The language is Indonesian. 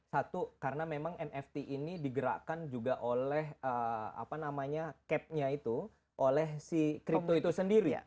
satu karena memang nft ini digerakkan juga oleh capnya itu oleh si crypto itu sendiri